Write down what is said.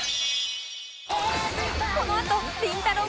このあとりんたろー。